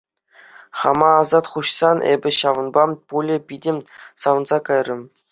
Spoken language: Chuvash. Хама асат хуҫсан эпӗ ҫавӑнпа пулӗ питӗ савӑнса кайрӑм.